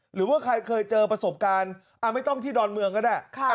หรือว่าใครเคยเจอประสบการณ์ไม่ต้องที่ดอนเมืองก็ได้